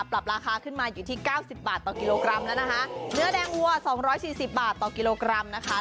ปรับราคาขึ้นมาอยู่ที่เก้าสิบบาทต่อกิโลกรัมแล้วนะคะเนื้อแดงวัวสองร้อยสี่สิบบาทต่อกิโลกรัมนะคะ